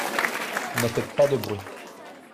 Ne faites pas de bruit.